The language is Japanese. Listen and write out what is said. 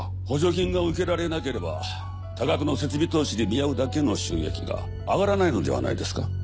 補助金が受けられなければ多額の設備投資に見合うだけの収益が上がらないのではないですか？